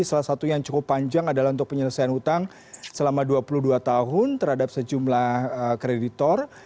salah satu yang cukup panjang adalah untuk penyelesaian hutang selama dua puluh dua tahun terhadap sejumlah kreditor